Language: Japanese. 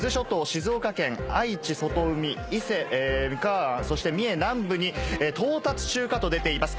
静岡県愛知外海伊勢・三河湾そして三重南部に「到達中か」と出ています。